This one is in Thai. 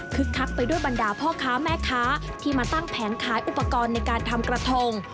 คักไปด้วยบรรดาพ่อค้าแม่ค้าที่มาตั้งแผงขายอุปกรณ์ในการทำกระทง